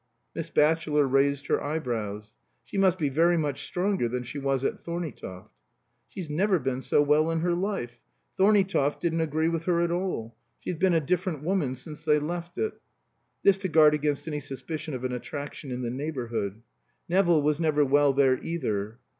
Miss Batchelor raised her eyebrows. "She must be very much stronger than she was at Thorneytoft." "She's never been so well in her life. Thorneytoft didn't agree with her at all. She's been a different woman since they left it." (This to guard against any suspicion of an attraction in the neighborhood.) "Nevill was never well there either."